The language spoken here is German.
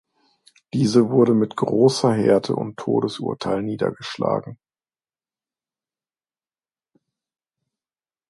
Diese wurden mit großer Härte und Todesurteilen niedergeschlagen.